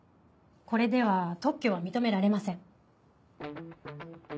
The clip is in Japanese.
これでは特許は認められません。